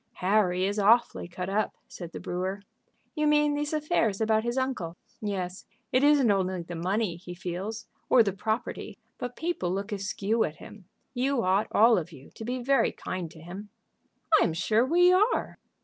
"Harry is awfully cut up," said the brewer. "You mean these affairs about his uncle?" "Yes. It isn't only the money he feels, or the property, but people look askew at him. You ought all of you to be very kind to him." "I am sure we are."